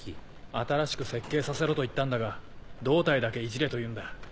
新しく設計させろと言ったんだが胴体だけいじれと言うんだ。